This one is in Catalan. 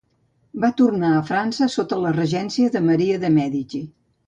Va tornar a França sota la regència de Maria de Mèdici.